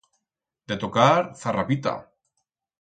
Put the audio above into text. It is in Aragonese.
De tocar, zarrapita!